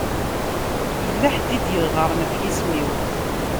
Yella ḥedd i d-yeɣɣaren ɣef yisem-iw.